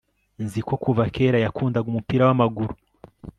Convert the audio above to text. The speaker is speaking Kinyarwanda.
Nzi ko kuva kera yakundaga umupira wamaguru